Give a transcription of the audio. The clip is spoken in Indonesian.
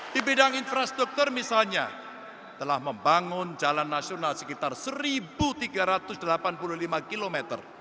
di bidang infrastruktur misalnya telah membangun jalan nasional sekitar satu tiga ratus delapan puluh lima km